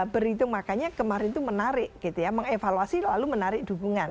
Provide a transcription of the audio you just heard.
berhitung makanya kemarin itu menarik gitu ya mengevaluasi lalu menarik dukungan